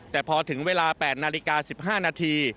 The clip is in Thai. แต่พอถึงเวลา๘นาฬิกา๑๕นาที